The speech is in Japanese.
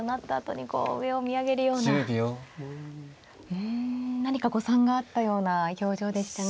うん何か誤算があったような表情でしたね。